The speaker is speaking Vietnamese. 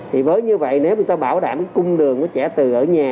thì với như vậy nếu chúng ta bảo đảm cung đường của trẻ từ ở nhà